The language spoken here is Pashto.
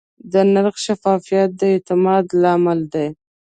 د نرخ شفافیت د اعتماد لامل دی.